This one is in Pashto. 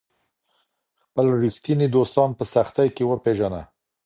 خپل ریښتیني دوستان په سختۍ کي وپیژنه.